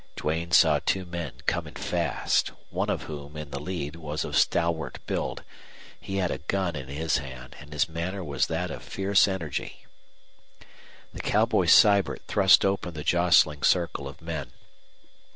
Duane saw two men coming fast, one of whom, in the lead, was of stalwart build. He had a gun in his hand, and his manner was that of fierce energy. The cowboy Sibert thrust open the jostling circle of men.